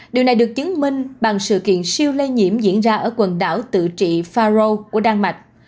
điều này được chứng minh bằng sự kiện siêu lây nhiễm diễn ra ở quần đảo tự trị pharo của đan mạch